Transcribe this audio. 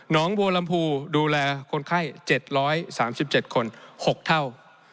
น้องบัวลำพูดูแลคนไข้๗๓๗คน๖เท่า